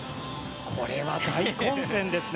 これは大混戦ですね。